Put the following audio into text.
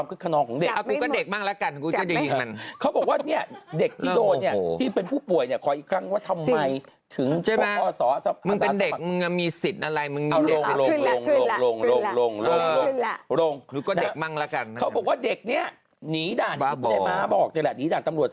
เขาว่าอย่างนี้เด็กคนนี้แหละอย่างที่พี่ม้าบอกว่านีด่านกับตัว